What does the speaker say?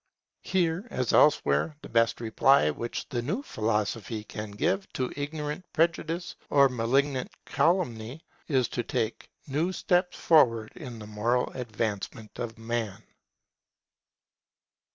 Here, as elsewhere, the best reply which the new philosophy can give to ignorant prejudice or malignant calumny, is to take new steps forward in the moral advancement of Man.